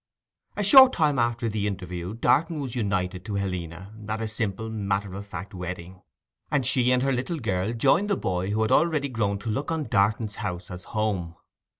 A short time after the interview Darton was united to Helena at a simple matter of fact wedding; and she and her little girl joined the boy who had already grown to look on Darton's house as home.